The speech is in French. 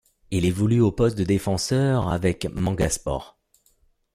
Il évolue au poste de défenseur avec Mangasport.